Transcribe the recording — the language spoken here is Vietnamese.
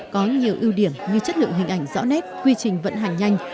có nhiều ưu điểm như chất lượng hình ảnh rõ nét quy trình vận hành nhanh